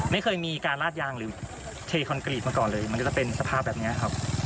ไม่เคยมีการลาดยางหรือเทคอนกรีตมาก่อนเลยมันก็จะเป็นสภาพแบบนี้ครับ